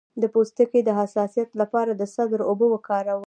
د پوستکي د حساسیت لپاره د سدر اوبه وکاروئ